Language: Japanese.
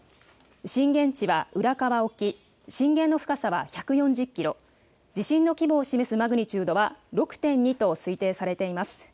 震源地は浦河沖、震源の深さは１４０キロ、地震の規模を示すマグニチュードは６．２と推定されています。